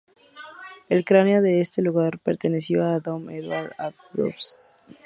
El cráneo de este lugar perteneció a Dom Edward Ambrose Barlow.